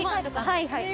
はい。